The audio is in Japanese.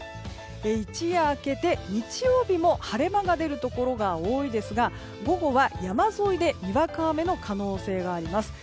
一夜明けて日曜日も晴れ間が出るところが多いですが午後は山沿いでにわか雨の可能性があります。